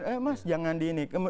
eh mas jangan di ini